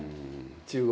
中国。